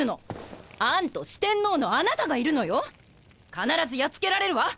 必ずやっつけられるわ！